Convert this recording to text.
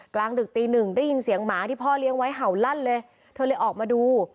กลางดึกตีหนึ่งได้ยินเสียงหมาที่พ่อเลี้ยงไว้เห่าลั่นเลยเธอเลยออกมาดู